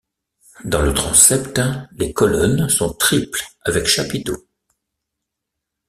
Dans le transept, les colonnes sont triples avec chapiteaux.